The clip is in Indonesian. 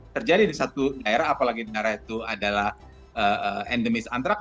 terjadi di satu daerah apalagi daerah itu adalah endemis antraks